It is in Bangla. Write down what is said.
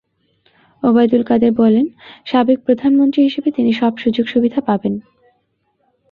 ওবায়দুল কাদের বলেন, সাবেক প্রধানমন্ত্রী হিসেবে তিনি সব সুযোগ সুবিধা পাবেন।